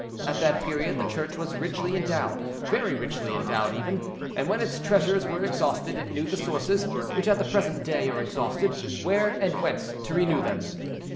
At that period the Church was richly endowed—very richly endowed even, and when its treasures were exhausted, it knew the sources, which at the present day are exhausted, where and whence to renew them.